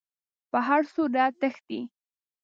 په هر صورت تښتي.